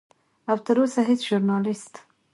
او تر اوسه هیڅ ژورنالست